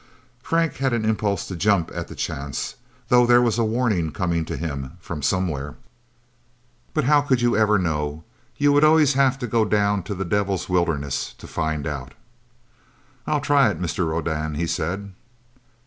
Frank had an impulse to jump at the chance though there was a warning coming to him from somewhere. But how could you ever know? You would always have to go down to that devils' wilderness to find out. "I'll try it, Mr. Rodan," he said.